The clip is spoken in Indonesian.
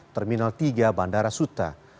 terminal tiga bandara suta